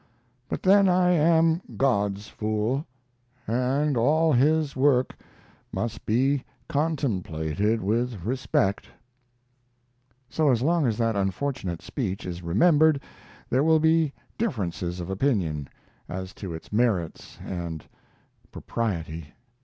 But then I am God's fool, and all his work must be contemplated with respect. So long as that unfortunate speech is remembered there will be differences of opinion as to its merits and propriety.